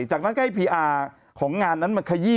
จากนั้นก็ให้พีอาร์ของงานนั้นมาขยี้